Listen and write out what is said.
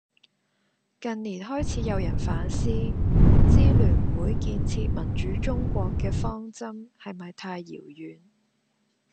近年開始有人反思，支聯會「建設民主中國」嘅方針係咪太遙遠